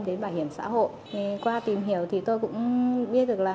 đến bảo hiểm xã hội qua tìm hiểu thì tôi cũng biết được là